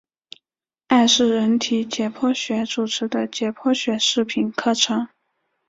艾氏人体解剖学主持的解剖学视频课程。